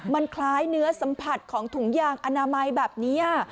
มันคล้ายเนื้อสัมผัสของถุงยางอนามัยแบบนี้